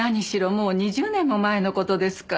もう２０年も前の事ですから。